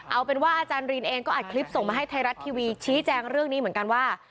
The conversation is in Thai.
เอาเป็นว่าอาจารย์รินเองก็อัดคลิปส่งมาให้ไทยรัฐทีวีชี้แจงเรื่องนี้เหมือนกันว่า